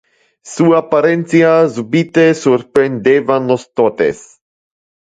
Su apparentia subite surprendeva nos totes.